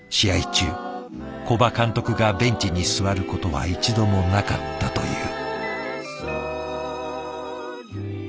中古葉監督がベンチに座ることは一度もなかったという。